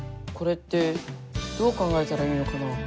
これってどう考えたらいいのかな？